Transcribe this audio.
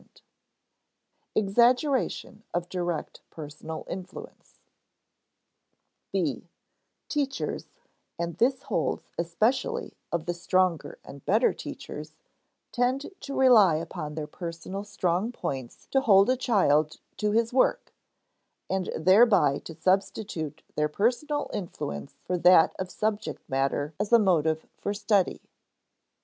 [Sidenote: Exaggeration of direct personal influence] (b) Teachers and this holds especially of the stronger and better teachers tend to rely upon their personal strong points to hold a child to his work, and thereby to substitute their personal influence for that of subject matter as a motive for study.